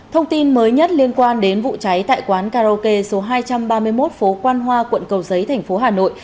thông tin mới nhất liên quan đến vụ cháy tại quán karaoke số hai trăm ba mươi một phố quan hoa quận cầu giấy thành phố hà nội